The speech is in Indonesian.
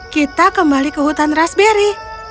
kita kembali ke hutan raspberry